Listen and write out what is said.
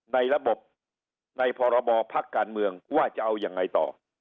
ในระบบในพรบพักการเมืองว่าจะเอายังไงต่อ